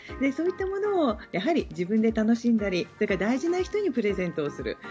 そういったものをやはり自分で楽しんだりそれから大事な人にプレゼントをする。